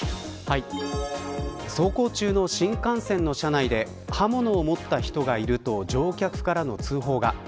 走行中の新幹線の車内で刃物を持った人がいると乗客からの通報が。